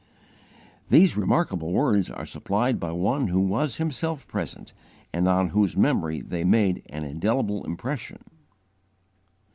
These remarkable words are supplied by one who was himself present and on whose memory they made an indelible impression.